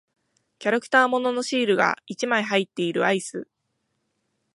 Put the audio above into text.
キャラクター物のシールが一枚入っているアイス。